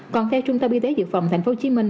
còn theo trung tâm y tế dự phòng tp hcm